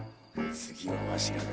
次はわしらが。